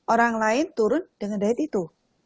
orang lain turun dengan diet itu